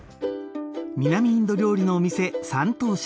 南インド料理のお店三燈舎。